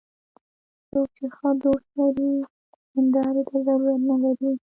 څوک چې ښه دوست لري، هنداري ته ضرورت نه لري